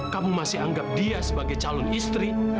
kamu masih anggap dia sebagai calon istri